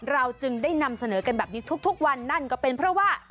เราจึงได้นำเสนอกันแบบนี้ทุกวันนั่นก็เป็นเพราะว่า